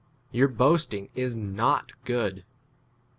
Your boasting [is] not good.